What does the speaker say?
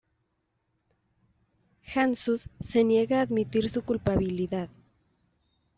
Janusz se niega a admitir su culpabilidad.